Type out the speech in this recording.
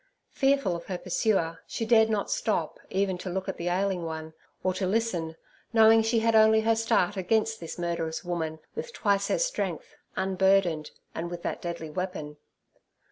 Fearful of her pursuer, she dared not stop even to look at the ailing one, or to listen, knowing she had only her start against this murderous woman, with twice her strength, unburdened, and with that deadly weapon.